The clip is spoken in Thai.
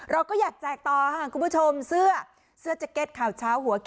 เราก็อยากแจกต่อครับคุณผู้ชม